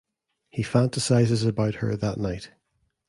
He fantasizes about her that night.